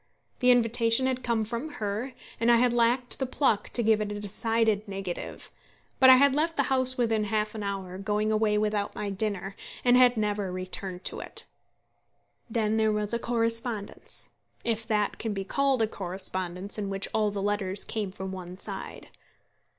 The invitation had come from her, and I had lacked the pluck to give it a decided negative; but I had left the house within half an hour, going away without my dinner, and had never returned to it. Then there was a correspondence, if that can be called a correspondence in which all the letters came from one side.